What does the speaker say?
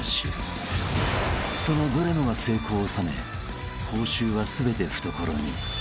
［そのどれもが成功を収め報酬は全て懐に］